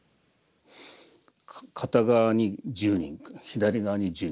片側に１０人左側に１０人。